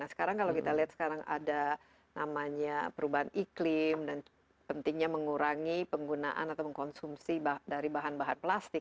nah sekarang kalau kita lihat sekarang ada namanya perubahan iklim dan pentingnya mengurangi penggunaan atau mengkonsumsi dari bahan bahan plastik